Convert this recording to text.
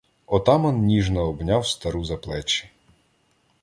Отаман ніжно обняв стару за плечі.